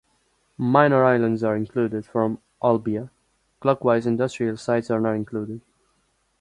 Minor islands are included from Olbia, clockwise - industrial sites are not included.